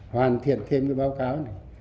hoàn thiện thêm cái báo cáo này